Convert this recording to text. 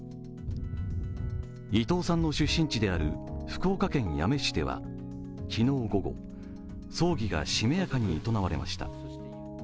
伊藤さんの出身地である福岡県八女市では昨日午後葬儀がしめやかに営まれました。